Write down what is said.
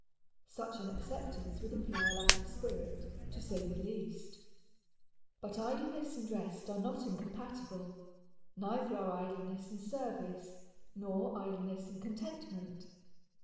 Such an acceptance would imply a lack of spirit, to say the least. But idleness and rest are not incompatible; neither are idleness and service, nor idleness and contentment.